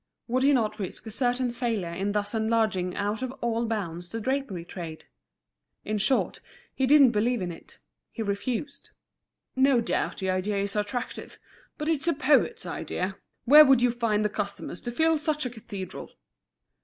Would he not risk a certain failure in thus enlarging out of all bounds the drapery trade? In short, he didn't believe in it; he refused. "No doubt the idea is attractive, but it's a poet's idea. Where would you find the customers to fill such a cathedral?"